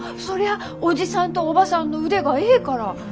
そりゃおじさんとおばさんの腕がええから。